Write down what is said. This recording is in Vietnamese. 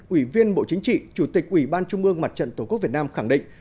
ủy viên bộ chính trị chủ tịch ủy ban trung mương mặt trận tổ quốc việt nam khẳng định